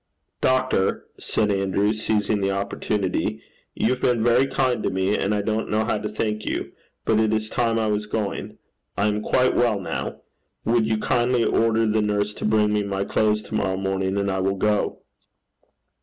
'Doctor,' said Andrew, seizing the opportunity, 'you've been very kind to me, and I don't know how to thank you, but it is time I was going. I am quite well now. Would you kindly order the nurse to bring me my clothes to morrow morning, and I will go.'